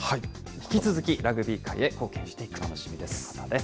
引き続きラグビー界へ貢献していくということです。